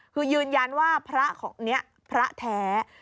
คือยืนยันว่าพระของนี้พระแท้